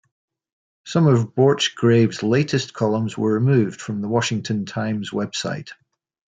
Some of Borchgrave's latest columns were removed from the "Washington Times" website.